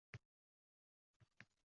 U sochlarini silkitib g‘amgin kuldi.